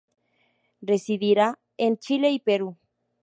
Residirá en Chile y Perú.